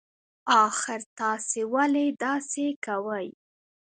اخر تاسي ولې داسی کوئ